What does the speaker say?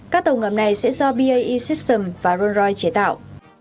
các tàu ngầm này sẽ do bae systems và rolls royce chế tạo